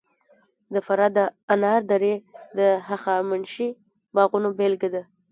د فراه د انار درې د هخامنشي باغونو بېلګه ده